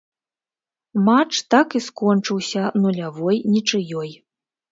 Матч так і скончыўся нулявой нічыёй.